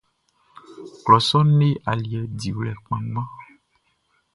Klɔ sɔʼn le aliɛ diwlɛ kpanngban.